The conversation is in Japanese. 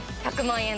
１００万円⁉